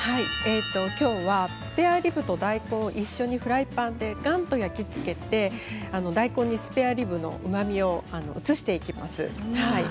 きょうはスペアリブと大根を一緒にフライパンでがんと焼き付けて大根にスペアリブのうまみを移していきます。